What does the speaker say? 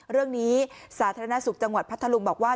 เรื่องนี้สาธารณสุขจังหวัดพัทธลุงบอกว่า